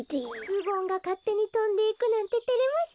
ズボンがかってにとんでいくなんててれますね。